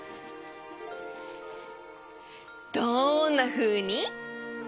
どんなふうに？